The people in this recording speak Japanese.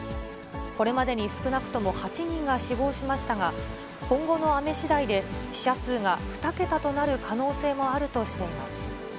これまでに少なくとも８人が死亡しましたが、今後の雨しだいで、死者数が２桁となる可能性もあるとしています。